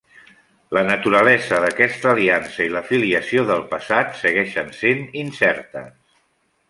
La naturalesa d'aquesta aliança i la filiació del passat segueixen sent incertes.